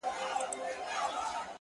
چا ویل چي خدای د انسانانو په رکم نه دی”